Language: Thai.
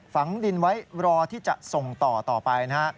ฝังดินไว้รอที่จะส่งต่อต่อไปนะฮะ